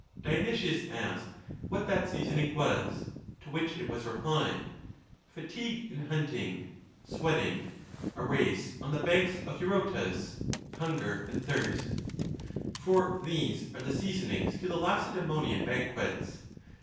Dionysius asked what that seasoning was; to which it was replied, " Fatigue in hunting, sweating, a race on the banks of Eurotas, hunger and thirst," for these are the seasonings to the Lacedemonian banquets.